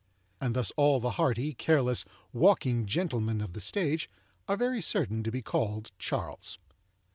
And thus all the hearty, careless, "walking gentlemen" of the stage are very certain to be called Charles.